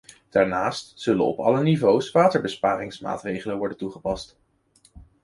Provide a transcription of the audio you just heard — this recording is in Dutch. Daarnaast zullen op alle niveaus waterbesparingsmaatregelen worden toegepast.